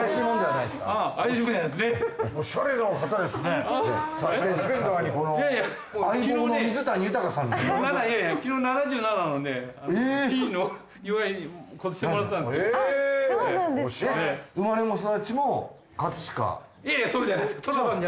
いやいやそうじゃないです。